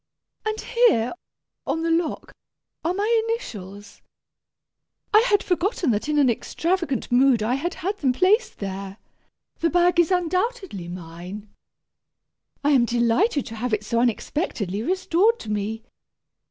And here, on the lock, are my initials. I had forgotten that in an extravagant mood I had had them placed there. The bag is undoubtedly mine. I am delighted to have it so unexpectedly restored to me.